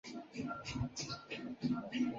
在黑暗中进行